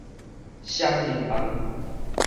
雙人房